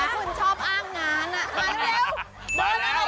คุณชอบอ้างงานมาเร็ว